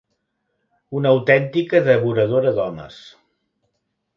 Una autèntica devoradora d'homes.